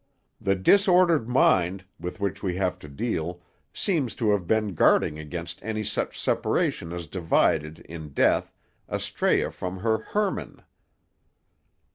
The disordered mind, with which we have to deal, seems to have been guarding against any such separation as divided, in death, Astræa from her Hermann."